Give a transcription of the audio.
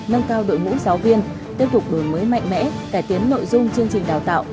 nâng cao đội ngũ giáo viên tiếp tục đổi mới mạnh mẽ cải tiến nội dung chương trình đào tạo